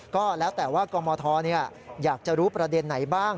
ก็แล้วแต่ว่ากรมธอยากจะรู้ประเด็นไหนบ้าง